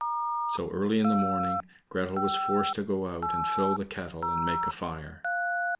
So, early in the morning, Gretel was forced to go out and fill the kettle, and make a fire.